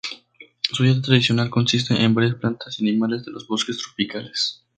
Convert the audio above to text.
Su dieta tradicional consiste de varias plantas y animales de los bosques tropicales.